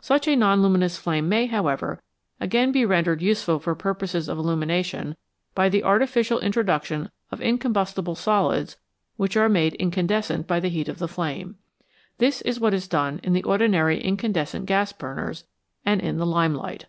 Such a non luminous flame may, however, again be rendered useful for purposes of illumination by the artificial intro duction of incombustible solids which are made incandes cent by the heat of the flame. This is what is done in the ordinary incandescent gas burners and in the lime light.